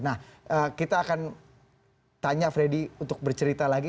nah kita akan tanya freddy untuk bercerita lagi